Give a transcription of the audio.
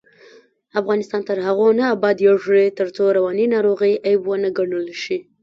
افغانستان تر هغو نه ابادیږي، ترڅو رواني ناروغۍ عیب ونه ګڼل شي.